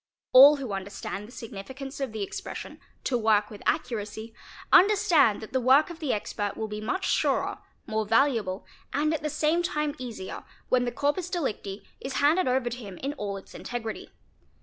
All who understand the signifi cance of the expression ''to work with accuracy', understand that the work of the expert will be much surer, more valuable, and at the same time easier, when the corpus delicti is handed over to him in all its integrity.